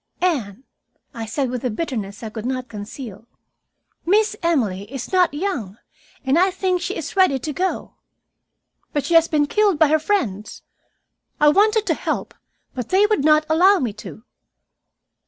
"Anne," I said with a bitterness I could not conceal, "Miss Emily is not young, and I think she is ready to go. But she has been killed by her friends. I wanted to help, but they would not allow me to."